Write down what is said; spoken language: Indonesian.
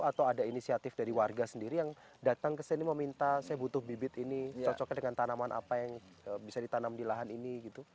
atau ada inisiatif dari warga sendiri yang datang ke sini meminta saya butuh bibit ini cocoknya dengan tanaman apa yang bisa ditanam di lahan ini gitu